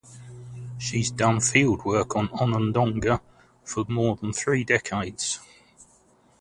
She has done fieldwork on Onondaga for more than three decades.